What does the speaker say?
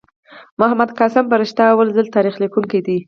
محمد قاسم فرشته لومړی تاریخ لیکونکی دﺉ.